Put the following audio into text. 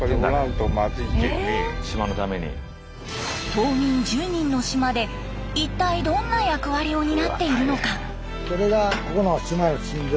島民１０人の島で一体どんな役割を担っているのか？